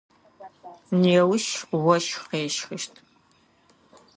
Неущ ощх къещхыщт.